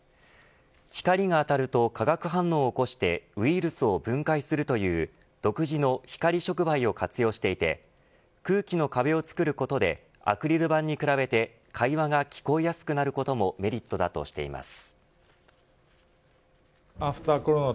光が当たると化学反応を起こしてウイルスを分解するという独自の光触媒を活用していて空気の壁を作ることでアクリル板に比べて会話が聞こえやすくなることもメリットだとしています。